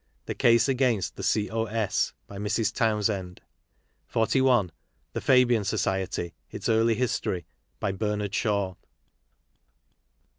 The Case against the C.O.S. By IUxs.Townshknd. 41. The Fabian Society: its Early History. By Bernard Shaw.